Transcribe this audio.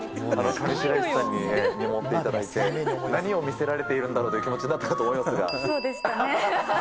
上白石さんに見守っていただいて、何を見せられているんだろうという気持ちになったかと思いそうでしたね。